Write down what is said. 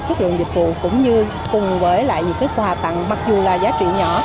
kết luận dịch vụ cũng như cùng với lại những quả tặng mặc dù là giá trị nhỏ